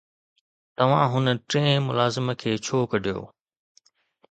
توهان هن ٽئين ملازم کي ڇو ڪڍيو؟